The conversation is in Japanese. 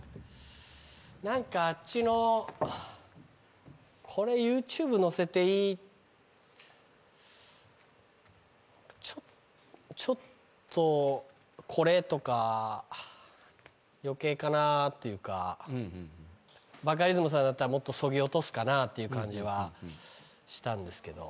何かあっちの「これＹｏｕＴｕｂｅ載せていい？」ちょっと「これ」とか余計かなっていうかバカリズムさんだったらもっとそぎ落とすかなっていう感じはしたんですけど。